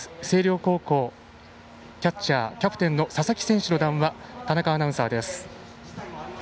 星稜高校、キャッチャーキャプテンの佐々木選手の談話田中アナウンサーです。